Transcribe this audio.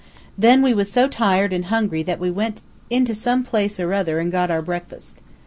Then we was so tired an' hungry that we went into some place or other an' got our breakfast.